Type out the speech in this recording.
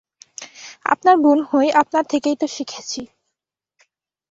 আপনার বোন হই, আপনার থেকেই তো শিখেছি।